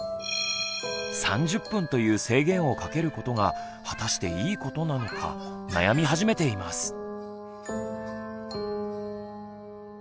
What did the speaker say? ３０分という制限をかけることが果たしていいことなのか悩み始めています。